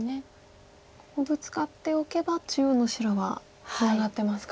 ここブツカっておけば中央の白はツナがってますか。